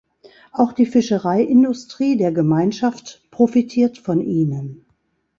Auch die Fischereiindustrie der Gemeinschaft profitiert von ihnen.